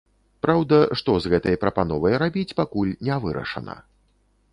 Праўда, што з гэтай прапановай рабіць, пакуль не вырашана.